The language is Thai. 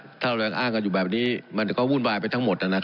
ถ้าเรามีเรื่องอ้างกันอยู่แบบนี้มันมีพูดบ้ายไปทั้งหมดนะครับ